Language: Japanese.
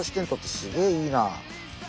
すげえいいなあ。